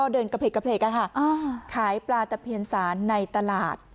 เดินกระเพกขายปลาตะเพียนสารในตลาด